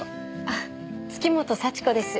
あっ月本幸子です。